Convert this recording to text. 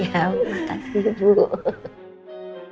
iya makan dulu